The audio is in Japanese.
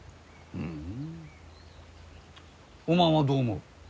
ふんおまんはどう思う？